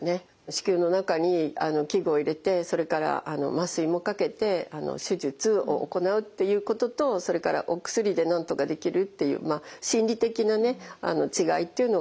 子宮の中に器具を入れてそれから麻酔もかけて手術を行うっていうこととそれからお薬でなんとかできるっていうまあ心理的なね違いっていうのがあります。